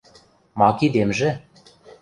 – Ма кидемжӹ?